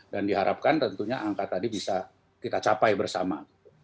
dan diharapkan tentunya angka tadi bisa kita capai bersama